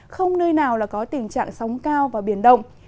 không nơi nào là có tình trạng sóng cao và biển động